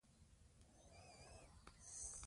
جګړه له ډېر وخت راهیسې روانه ده.